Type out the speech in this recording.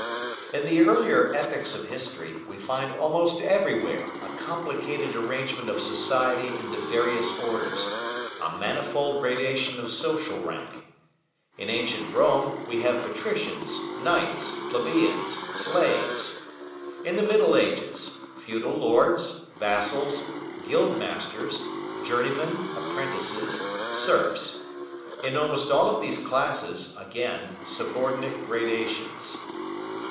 In the earlier epochs of history, we find almost everywhere a complicated arrangement of society into various orders, a manifold gradation of social rank. In ancient Rome we have patricians, knights, plebeians, slaves; in the Middle Ages, feudal lords, vassals, guild masters, journeymen, apprentices, serfs; in almost all of these classes, again, subordinate gradations.